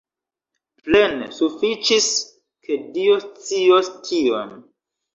Plene sufiĉis, ke Dio scios tion.